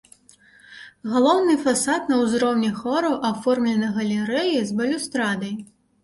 Галоўны фасад на ўзроўні хораў аформлены галерэяй з балюстрадай.